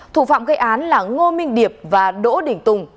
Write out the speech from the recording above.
thủ phạm gây án là ngô minh điệp và đỗ đình tùng